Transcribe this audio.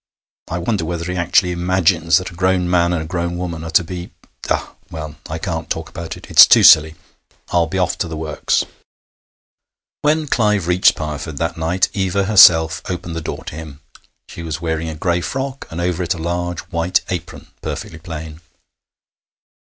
I wonder whether he actually imagines that a grown man and a grown woman are to be.... Ah well, I can't talk about it! It's too silly. I'll be off to the works.' When Clive reached Pireford that night, Eva herself opened the door to him. She was wearing a gray frock, and over it a large white apron, perfectly plain.